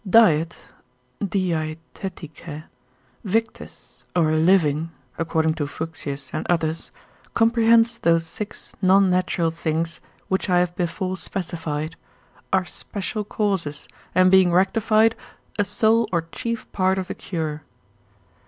Diet, Διαιτητικὴ, victus, or living, according to Fuchsius and others, comprehends those six non natural things, which I have before specified, are especial causes, and being rectified, a sole or chief part of the cure.